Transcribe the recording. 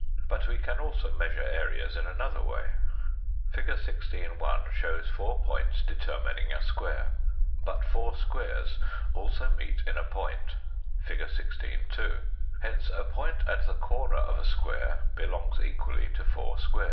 But we can also measure areas Fig. 16. .,, in another way. Fig. 16 (1) shows four points determining a square. But four squares also meet in a point, fig. 16 (2). Hence a point at the corner of a square belongs equally to four squares.